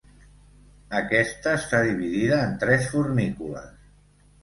Aquesta està dividida en tres fornícules.